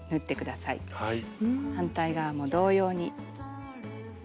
反対側も同様に。